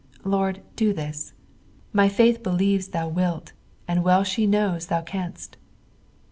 Lord, do this; my faith believes thou wilt, and well she knows thou canst.